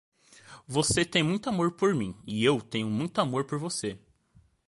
você tem muito amor por mim e eu tenho muito amor por você